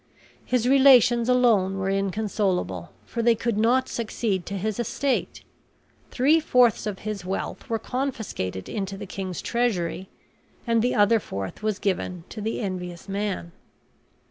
His relations alone were inconsolable, for they could not succeed to his estate. Three fourths of his wealth were confiscated into the king's treasury, and the other fourth was given to the envious man.